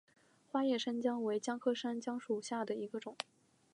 花叶山姜为姜科山姜属下的一个种。